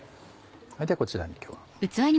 ではこちらに今日は。